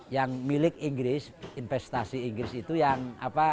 yang milik inggris investasi inggris itu yang apa